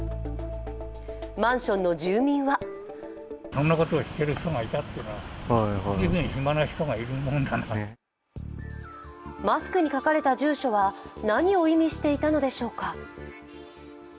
マンションの住民はマスクに書かれた住所は何を意味していたのでしょうか？